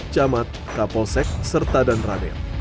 camat kapolsek serta dan raden